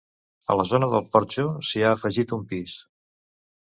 A la zona del porxo s'hi ha afegit un pis.